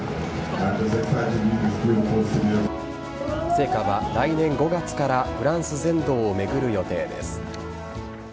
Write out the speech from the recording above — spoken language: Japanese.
聖火は来年５月からフランス全土を巡る予定です。